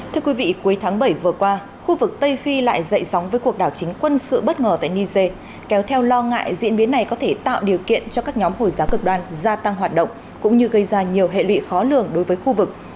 thưa quý vị cuối tháng bảy vừa qua khu vực tây phi lại dậy sóng với cuộc đảo chính quân sự bất ngờ tại niger kéo theo lo ngại diễn biến này có thể tạo điều kiện cho các nhóm hồi giáo cực đoan gia tăng hoạt động cũng như gây ra nhiều hệ lụy khó lường đối với khu vực